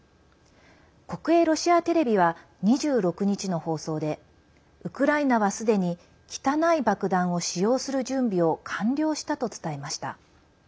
国営ロシアテレビは２６日の放送でウクライナはすでに汚い爆弾を使用する準備を完了したと伝えました。